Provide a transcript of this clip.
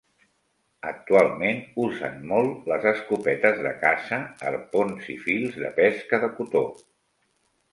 Actualment usen molt les escopetes de caça, arpons i fils de pesca de cotó.